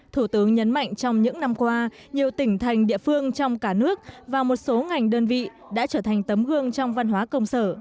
thủ tướng nhấn mạnh trong những năm qua nhiều tỉnh thành địa phương trong cả nước và một số ngành đơn vị đã trở thành tấm gương trong văn hóa công sở